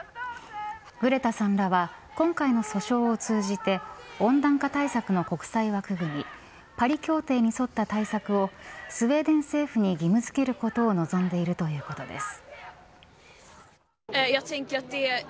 グレタさんらは今回の主張を通じて温暖化対策の国際枠組みパリ協定に沿った対策をスウェーデン政府に義務づけることを望んでいるということです。